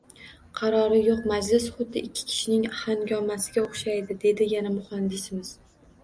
Qarori yo`q majlis xuddi ikki kishining hangomasiga o`xshaydi, dedi yana muhandisimiz